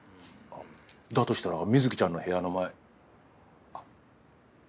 だとしたら美月ちゃんの部屋の前あっ。